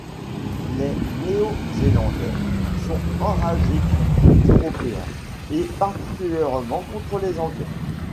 Les Néo-Zélandais sont enragés contre les Européens, et particulièrement contre les Anglais.